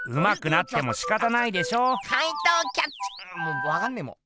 もうわかんねぇもう。